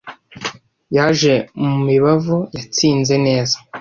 yaje mu mibavu yatsinze neza